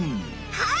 はい！